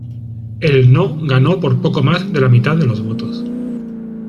El "No" ganó por poco más de la mitad de los votos.